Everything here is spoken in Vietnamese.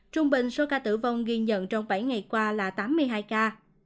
trung bình số ca tử vong ghi nhận trong bảy ngày qua là tám mươi hai ca